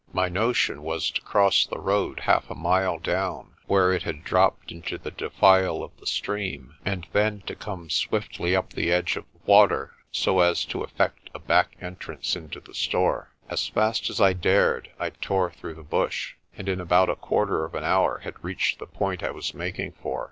My notion was to cross the road half a mile down, where it had dropped into the defile of the stream, and then to come swiftly up the edge of the water so as to effect a back entrance into the store. As fast as I dared I tore through the bush, and in about a quarter of an hour had reached the point I was making for.